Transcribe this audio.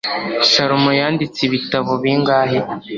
salomo yanditse ibitabo bingahe